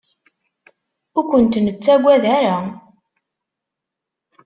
Ur kent-nettaggad ara.